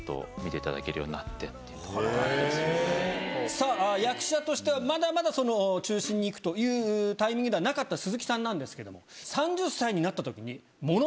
さぁ役者としてはまだまだその中心にいくというタイミングではなかった鈴木さんなんですけども３０歳になったときにもの